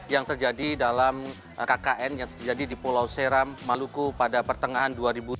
yang terjadi dalam kkn yang terjadi di pulau seram maluku pada pertengahan dua ribu tujuh belas